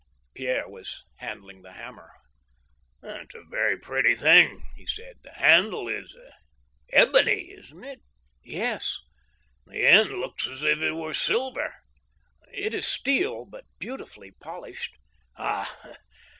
Pierre was handling the hammer. THE OVERTURE. 13 " It is a very pretty thing," he said ;" the handle is ebony, isn't it?" "Yes." " The end looks as if it were silver." ^It is steel, but beautifully polished." " Ah